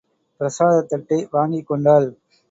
பிரசாதத் தட்டை வாங்கிக் கொண்டாள்.